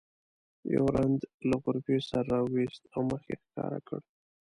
یو رند له غرفې سر راوویست او مخ یې ښکاره کړ.